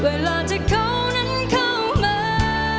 เวลาที่เขานั้นเข้ามา